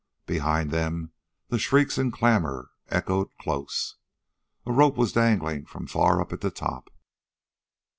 Behind them the shrieks and clamor echoed close. A rope was dangling from far up at the top.